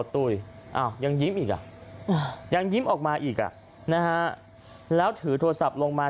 โต้ยอ่อยังยิ้มอีกอ่าอย่างยิ้มออกมาอีกอ่ะนะฮะแล้วถือโทรศัพท์ลงมา